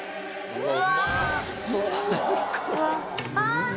うわ！